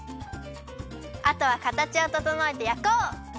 あとはかたちをととのえてやこう！